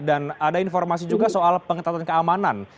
dan ada informasi juga soal pengetatan keamanan